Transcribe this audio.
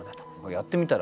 やってみたら？